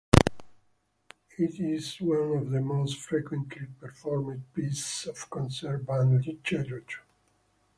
It is one of the most frequently performed pieces of concert band literature.